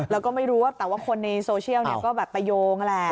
แล้วก็ไม่รู้ว่าแต่ว่าคนในโซเชียลก็แบบไปโยงแหละ